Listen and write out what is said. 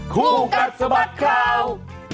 คู่กัดสะบัดข่าว